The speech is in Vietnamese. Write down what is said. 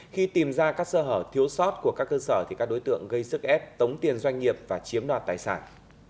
khi tìm ra các sơ hở thiếu sót của các cơ sở thì các đối tượng gây sức ép tống tiền doanh nghiệp và chiếm đoạt tài sản